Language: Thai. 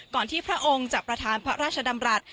ที่พระองค์จะประธานพระราชดำรัฐ